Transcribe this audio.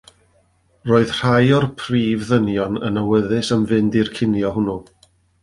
Roedd rhai o'r prif ddynion yn awyddus am fynd i'r cinio hwnnw.